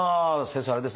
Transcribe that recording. あれですね